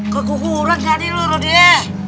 keguguran tadi lu rodia